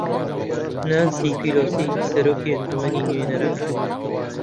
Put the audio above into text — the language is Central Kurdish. نانسی پیلۆسی سەرۆکی ئەنجومەنی نوێنەران